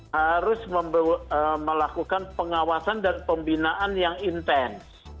harus melakukan pengawasan dan pembinaan yang intens